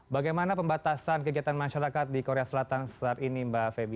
bagaimana pembatasan kegiatan masyarakat di korea selatan saat ini mbak febi